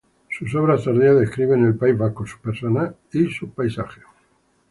Sus obras tardías describen el País Vasco, sus personas y sus paisajes.